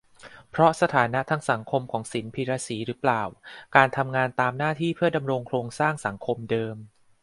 เพราะสถานะทางสังคมของ ศิลป์ พีระศรี รึเปล่า การทำงานตามหน้าที่ เพื่อดำรงโครงสร้างสังคมเดิม